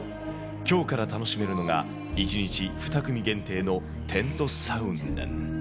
きょうから楽しめるのが、１日２組限定のテントサウナンヌ。